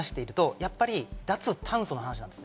やっぱり脱炭素の話です。